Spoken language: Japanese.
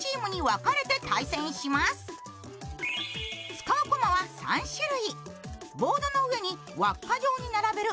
使う駒は３種類。